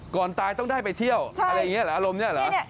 ก่อนตายต้องได้ไปเที่ยวอะไรอย่างนี้เหรออารมณ์นี้เหรอ